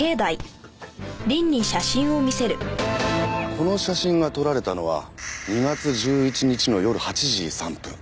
この写真が撮られたのは２月１１日の夜８時３分。